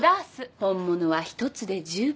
本物は１つで十分。